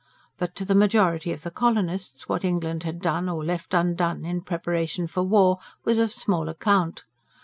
But to the majority of the colonists what England had done, or left undone, in preparation for war, was of small account.